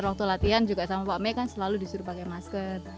waktu latihan juga sama pak may kan selalu disuruh pakai masker